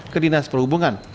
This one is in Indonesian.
ke dinas perhubungan